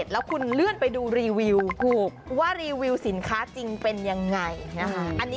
แล้วคุณเลื่อนไปดูรีวิวถูกว่ารีวิวสินค้าจริงเป็นยังไงนะคะ